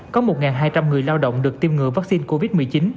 có một hai trăm linh người lao động được tiêm ngừa vaccine covid một mươi chín